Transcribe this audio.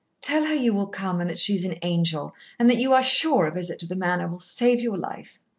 "Tell her you will come and that she is an angel, and that you are sure a visit to the Manor will save your life."